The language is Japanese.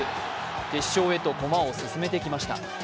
決勝へとこまを進めてきました。